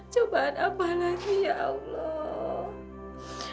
cobaan apalagi ya allah